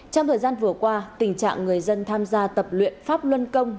trong thời gian vừa qua tình trạng người dân tham gia tập luyện pháp luân công